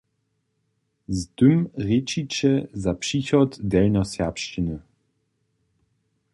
Z tym rěčiće za přichod delnjoserbšćiny.